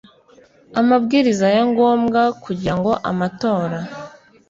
amabwiriza ya ngombwa kugira ngo amatora